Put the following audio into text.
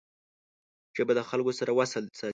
ژبه د خلګو سره وصل ساتي